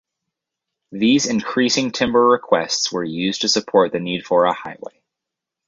These increasing timber requests were used to support the need for a highway.